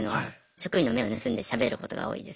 職員の目を盗んでしゃべることが多いです。